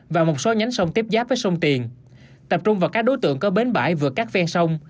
và một số nhánh sông tiếp giáp với sông tiền tập trung vào các đối tượng có bến bãi vượt các ven sông